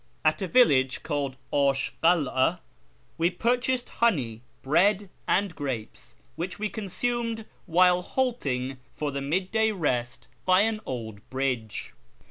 At a village called Ash IvaVa we purchased honey, bread, and grapes, which we consumed while halting for the mid day rest by an old bridge.